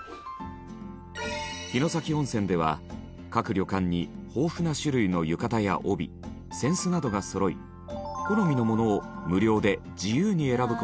城崎温泉では各旅館に豊富な種類の浴衣や帯扇子などがそろい好みのものを無料で自由に選ぶ事ができる。